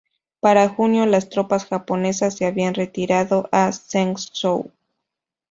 Para junio, las tropas japonesas se habían retirado a Zhengzhou.